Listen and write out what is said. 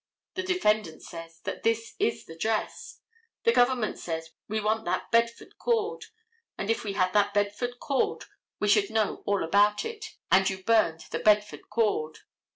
The defendant says that this is the dress. The government says we want that bedford cord, and if we had that bedford cord we should know all about it, and you burned the bedford cord.